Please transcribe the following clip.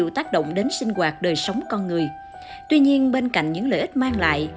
tuy nhiên bên cạnh những lợi ích mang lại